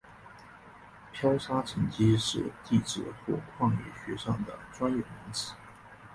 漂砂沉积是地质或矿业学上的专有名词。